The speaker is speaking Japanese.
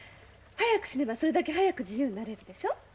早く死ねばそれだけ早く自由になれるでしょ。